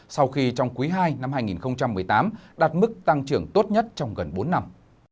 sau khi trong quý ii năm hai nghìn một mươi tám đạt mức tăng trưởng tốt nhất trong gần bốn năm